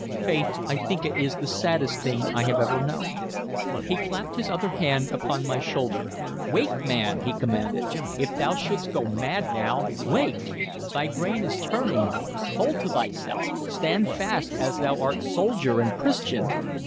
Faith, I think it is the saddest thing I have ever known." He clapped his other hand upon my shoulder. "Wake, man!" he commanded. "If thou shouldst go mad now Wake! thy brain is turning. Hold to thyself. Stand fast, as thou art soldier and Christian!